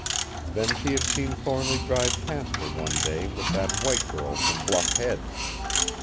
Then she had seen Thornly drive past her one day with that white girl from Bluff Head.